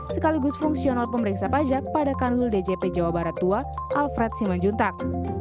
sekaligus fungsional pemeriksa pajak pada kanul djp jawa barat ii alfred siman juntak